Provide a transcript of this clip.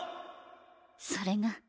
それが。